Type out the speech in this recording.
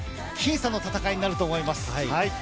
僅差の戦いになると思います。